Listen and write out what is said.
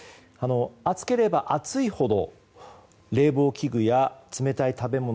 暑ければ暑いほど冷房器具や冷たい食べ物